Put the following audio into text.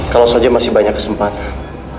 kalau saja masih banyak kesempatan